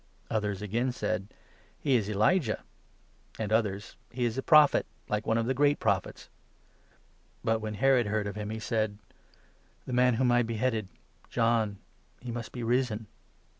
Others again said — "He is Elijah," and others — "He is a 15 Propliet, like one of the great Prophets. " But when Herod 16 heard of him, he said — "The man whom I beheaded— John he must be risen